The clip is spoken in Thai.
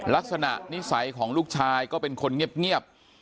ลักษณะนิสัยของลูกชายก็เป็นคนเงียบ